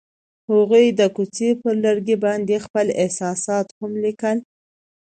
هغوی د کوڅه پر لرګي باندې خپل احساسات هم لیکل.